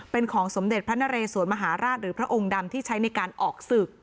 เป็นของสมเด็จพระนเรสวนมหาราชหรือพระองค์ดำที่ใช้ในการออกศึก